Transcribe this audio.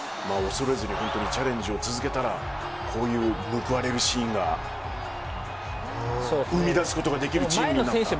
恐れずにチャレンジを続けたらこういう報われるシーンが生み出すことができるチームだった。